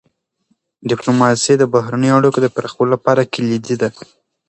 ډيپلوماسي د بهرنیو اړیکو د پراخولو لپاره کلیدي ده.